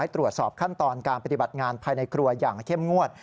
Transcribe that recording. ตรวจสอบขั้นตอนการปฏิบัติงานภายในครัวอย่างเข้มงวด